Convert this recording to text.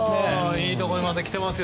いいところまで来ていますよ。